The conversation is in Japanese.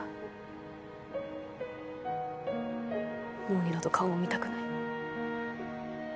もう二度と顔も見たくない。